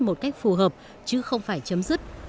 một cách phù hợp chứ không phải chấm dứt